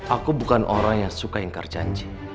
aku bukan orang yang suka ingkar janji